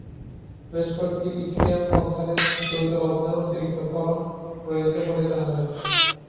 বেশ কয়েকটি yttrium oxalate দ্বৈত লবণের অতিরিক্ত করণ রয়েছে বলে জানা যায়।